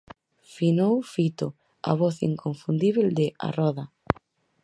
Finou Fito, a voz inconfundíbel de "A Roda".